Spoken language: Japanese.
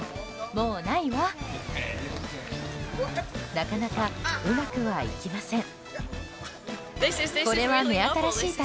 なかなかうまくはいきません。